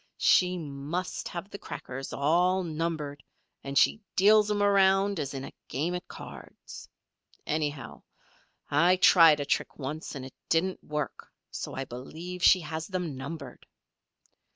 "She must have the crackers all numbered and she deals 'em around as in a game at cards. Anyhow, I tried a trick once and it didn't work, so I believe she has them numbered."